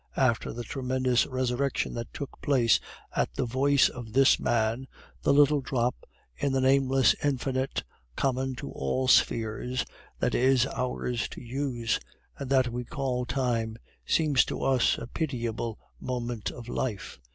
After the tremendous resurrection that took place at the voice of this man, the little drop in the nameless Infinite, common to all spheres, that is ours to use, and that we call Time, seems to us a pitiable moment of life.